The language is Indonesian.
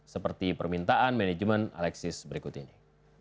seperti permintaan manajemen alexis berikut ini